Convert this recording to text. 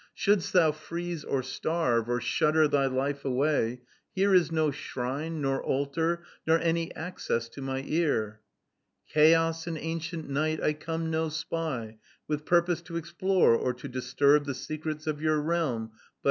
Shouldst thou freeze or starve, or shudder thy life away, here is no shrine, nor altar, nor any access to my ear. "Chaos and ancient Night, I come no spy With purpose to explore or to disturb The secrets of your realm, but ....